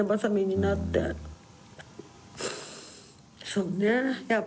そうね